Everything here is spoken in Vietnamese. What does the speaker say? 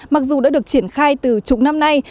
mặc dù đã được triển khai từ chục năm nay